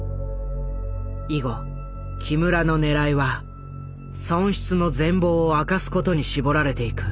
以後木村の狙いは損失の全貌を明かすことに絞られていく。